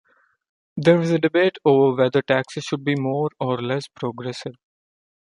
There is debate over whether taxes should be more or less progressive.